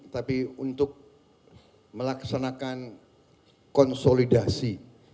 tapi untuk melaksanakan konsolidasi